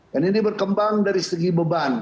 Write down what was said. dan ini berkembang dari segi beban